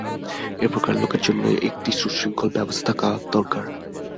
এই প্রকার লোকের জন্যও একটি সুশৃঙ্খল ব্যবস্থা থাকা দরকার।